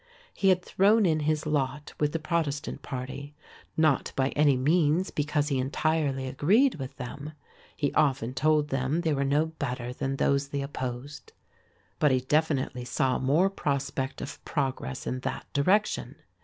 He had thrown in his lot with the protestant party, not by any means because he entirely agreed with them, he often told them they were no better than those they opposed, but he definitely saw more prospect of progress in that direction.